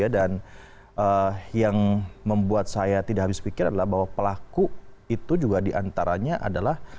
dan yang membuat saya tidak habis pikir adalah bahwa pelaku itu juga diantaranya adalah